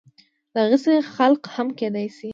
دغسې خلق هم کيدی شي